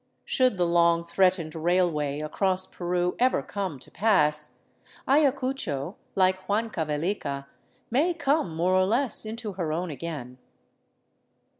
Should the long threatened railway across Peru ever come to pass, Ayacucho, like Huancavelica, may come more or less into her own again.